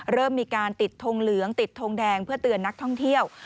เริ่มมีการติดทงเหลืองติดทงแดงเพื่อเตือนนักท่องเที่ยว